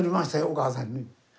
お母さんに。